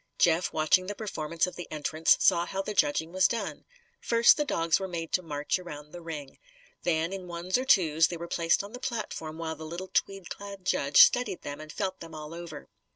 Jeff, watching the performance of the entrants, saw how the judging was done. First the dogs were made to march around the ring. Then, in ones or twos, they were placed on the platform while the little tweed clad judge studied them and felt them all over.